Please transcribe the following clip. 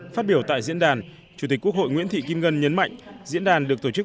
phát biểu tại diễn đàn chủ tịch quốc hội nguyễn thị kim ngân nhấn mạnh diễn đàn được tổ chức